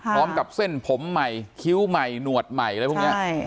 พร้อมกับเส้นผมใหม่คิ้วใหม่หนวดใหม่อะไรพวกนี้